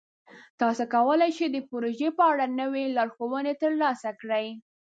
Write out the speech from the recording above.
تاسو کولی شئ د پروژې په اړه نوې لارښوونې ترلاسه کړئ.